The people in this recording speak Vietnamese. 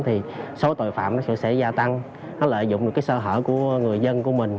thì số tội phạm nó sẽ gia tăng nó lợi dụng được cái sơ hở của người dân của mình